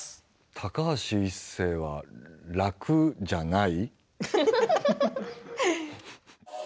「高橋一生は楽じゃない」。